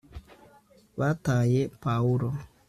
bataye pawulo